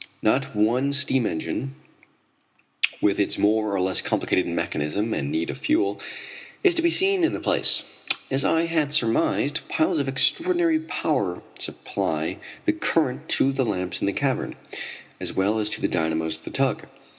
Not one steam engine, with its more or less complicated mechanism and need of fuel, is to be seen in the place. As I had surmised, piles of extraordinary power supply the current to the lamps in the cavern, as well as to the dynamos of the tug.